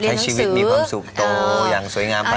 ใช้ชีวิตมีความสุขโตอย่างสวยงามมาก